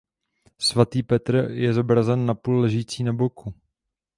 Sv. Petr je zobrazen napůl ležící na boku.